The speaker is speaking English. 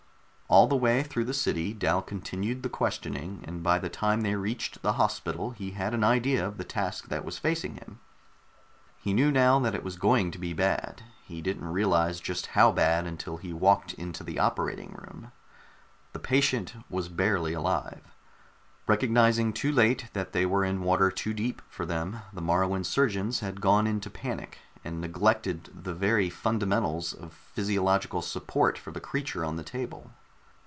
All the way through the city Dal continued the questioning, and by the time they reached the hospital he had an idea of the task that was facing him. He knew now that it was going to be bad; he didn't realize just how bad until he walked into the operating room. The patient was barely alive. Recognizing too late that they were in water too deep for them, the Moruan surgeons had gone into panic, and neglected the very fundamentals of physiological support for the creature on the table.